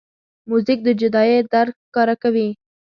موزیک د جدایۍ درد ښکاره کوي.